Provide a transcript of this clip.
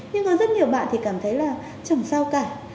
nhưng có rất nhiều bạn thì cảm thấy là chẳng sao cả